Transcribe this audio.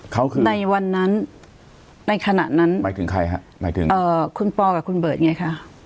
หมายถึงใครฮะหมายถึงเอ่อคุณปอล์กับคุณเบิร์ดไงค่ะ